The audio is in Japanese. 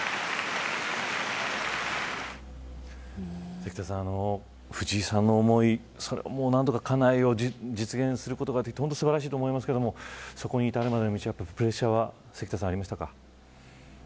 関田さん、藤井さんの思い何とか、かなえよう実現することは素晴らしいと思いますがそこの道に至るまでのプレッシャーはありましたか。